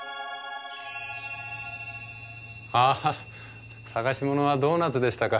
ああ捜し物はドーナツでしたか。